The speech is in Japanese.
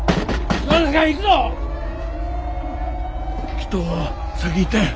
きっと先行ったんや。